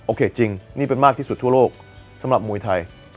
จริงนี่เป็นมากที่สุดทั่วโลกสำหรับมวยไทย